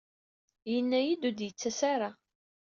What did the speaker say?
Yenna-iyi-d ur d-yettas ara.